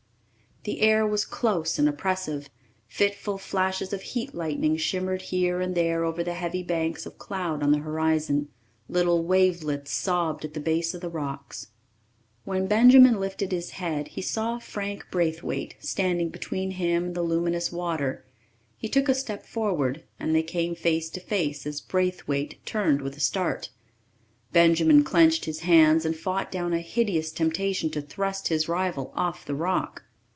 The air was close and oppressive; fitful flashes of heat lightning shimmered here and there over the heavy banks of cloud on the horizon; little wavelets sobbed at the base of the rocks. When Benjamin lifted his head he saw Frank Braithwaite standing between him and the luminous water. He took a step forward, and they came face to face as Braithwaite turned with a start. Benjamin clenched his hands and fought down a hideous temptation to thrust his rival off the rock.